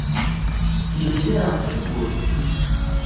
Snemmireɣ-k seg wul.